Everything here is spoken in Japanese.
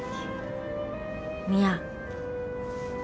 宮。